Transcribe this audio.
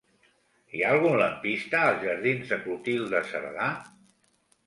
Hi ha algun lampista als jardins de Clotilde Cerdà?